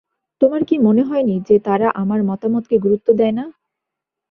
তোমার কি মনে হয়নি যে তারা আমার মতামতকে গুরুত্ব দেয় না?